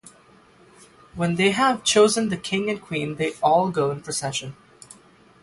When they have chosen the King and Queen they all go in procession.